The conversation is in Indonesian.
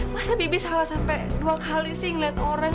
masa bibi salah sampe dua kali sih ngeliat orang